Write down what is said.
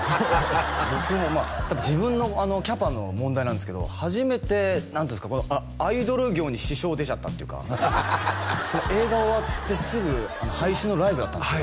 僕もまあたぶん自分のあのキャパの問題なんですけど初めて何ていうんですかアイドル業に支障出ちゃったっていうかその映画終わってすぐあの配信のライブだったんですけど